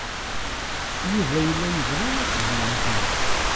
Yuba yella yebɣa ad tjemɛemt wa.